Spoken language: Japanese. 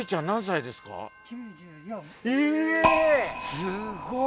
すごい！